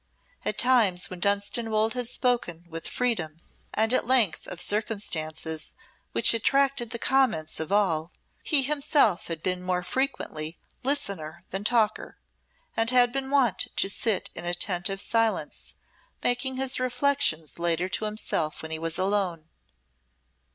At times when Dunstanwolde had spoken with freedom and at length of circumstances which attracted the comments of all, he himself had been more frequently listener than talker, and had been wont to sit in attentive silence, making his reflections later to himself when he was alone.